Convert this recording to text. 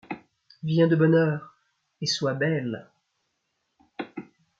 Viens de bonne heure, et sois belle. ..